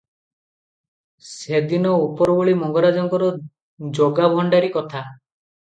ସେଦିନ ଉପରଓଳି ମଙ୍ଗରାଜଙ୍କର ଜଗା ଭଣ୍ଡାରୀ କଥା ।